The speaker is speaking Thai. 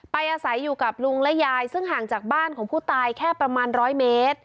อาศัยอยู่กับลุงและยายซึ่งห่างจากบ้านของผู้ตายแค่ประมาณร้อยเมตร